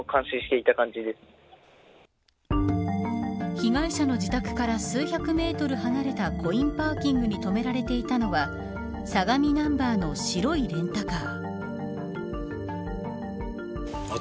被害者の自宅から数百メートル離れたコインパーキングに止められていたのは相模ナンバーの白いレンタカー。